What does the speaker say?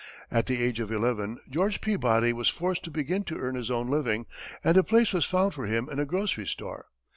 At the age of eleven, George Peabody was forced to begin to earn his own living, and a place was found for him in a grocery store.